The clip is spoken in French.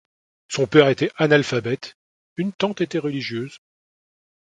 Son père était analphabète, une tante était religieuse.